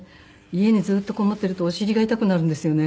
家にずっと籠もっているとお尻が痛くなるんですよね。